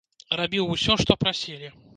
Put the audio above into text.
Рабіў усё, што прасілі.